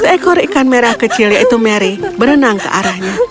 saat itu seekor ikan merah kecil yaitu mary berenang ke arahnya